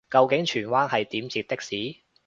究竟荃灣係點截的士